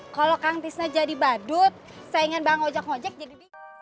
kalau kang tisna jadi badut saya ingin bang ngojek ngojek jadi